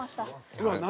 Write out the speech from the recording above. うわっ何？